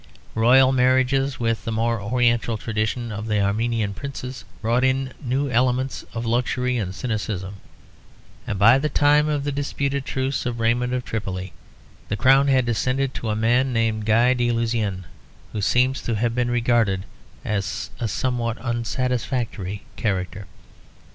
Royal marriages with the more oriental tradition of the Armenian princes brought in new elements of luxury and cynicism; and by the time of the disputed truce of Raymond of Tripoli, the crown had descended to a man named Guy of Lusignan who seems to have been regarded as a somewhat unsatisfactory character.